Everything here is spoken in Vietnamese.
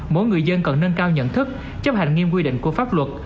mỗi người dân cần nâng cao nhận thức chấp hành nghiêm quy định của pháp luật